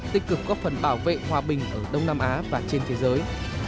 tích cực góp phần bảo vệ hòa bình ở đông nam á và trên thế giới